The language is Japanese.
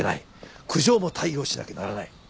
苦情も対応しなきゃならない。